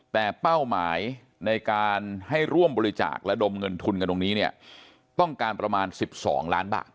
แต่เป้าหมายในการให้ร่วมบริจาคระดมเงินทุนกันตรงนี้เนี่ยต้องการประมาณ๑๒ล้านบาท